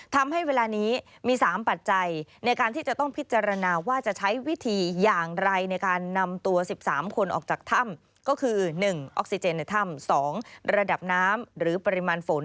ทำให้เวลานี้มี๓ปัจจัยในการที่จะต้องพิจารณาว่าจะใช้วิธีอย่างไรในการนำตัว๑๓คนออกจากถ้ำก็คือ๑ออกซิเจนในถ้ำ๒ระดับน้ำหรือปริมาณฝน